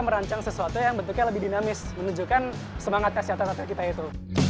merancang sesuatu yang bentuknya lebih dinamis menunjukkan semangat kesehatan kita itu